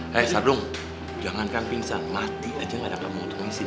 hei sardung jangankan pingsan mati aja ga ada kelemahan untuk ngisi